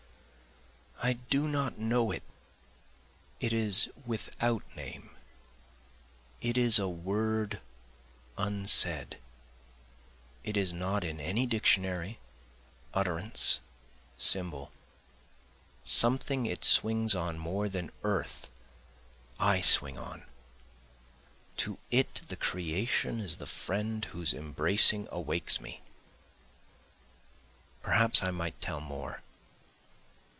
I do not know it it is without name it is a word unsaid, It is not in any dictionary, utterance, symbol. Something it swings on more than the earth I swing on, To it the creation is the friend whose embracing awakes me. Perhaps I might tell more.